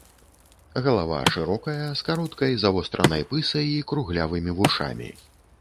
Галава шырокая з кароткай завостранай пысай і круглявымі вушамі.